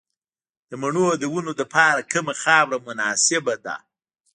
د مڼو د ونو لپاره کومه خاوره مناسبه ده؟